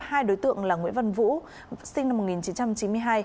hai đối tượng là nguyễn văn vũ sinh năm một nghìn chín trăm chín mươi hai